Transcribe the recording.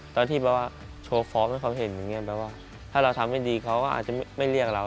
ตอนที่แบบว่าโชว์ฟอร์มให้เขาเห็นอย่างนี้แปลว่าถ้าเราทำไม่ดีเขาก็อาจจะไม่เรียกเรา